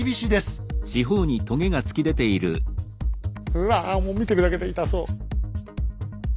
うわもう見てるだけ痛そう。